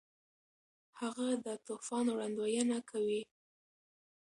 هغه د طوفان وړاندوینه کوي.